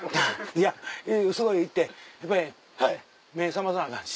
いやそこへ行ってやっぱり目覚まさなアカンし。